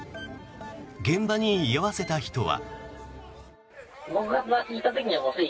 現場に居合わせた人は。